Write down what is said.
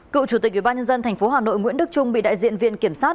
cựu chủ tịch ubnd tp hà nội nguyễn đức trung bị đại diện viện kiểm sát